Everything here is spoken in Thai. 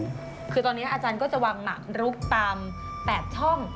คือตอนนี้อาจารย์ก็จะวางหนักลุกตาม๘ช่อง